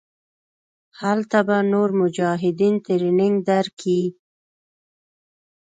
هلته به نور مجاهدين ټرېننګ دركي.